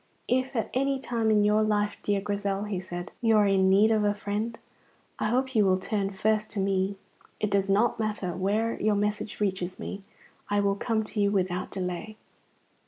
"If at any time in your life, dear Grizel," he said, "you are in need of a friend, I hope you will turn first to me. It does not matter where your message reaches me, I will come to you without delay."